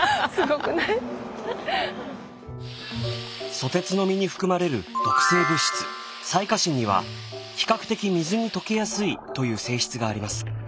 ソテツの実に含まれる毒性物質サイカシンには比較的水に溶けやすいという性質があります。